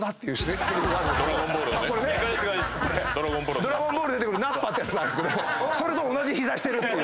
『ドラゴンボール』に出てくるナッパってやつなんですけどそれと同じ膝してるっていう。